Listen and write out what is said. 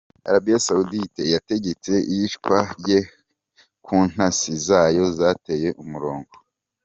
Arabie Saoudite yegetse iyicwa rye ku ntasi zayo "zataye umurongo".